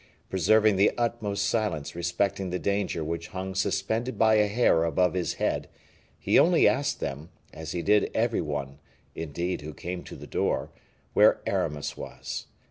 Preserving the utmost silence respecting the danger which hung suspended by a hair above his head, he only asked them, as he did every one, indeed, who came to the door, where Aramis was.